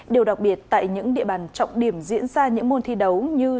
điều đặc biệt tại những địa bàn trọng điểm diễn ra những môn thi đấu như